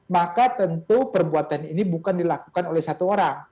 maka tentu perbuatan ini bukan dilakukan oleh satu orang